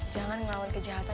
jangan melawan kejahatan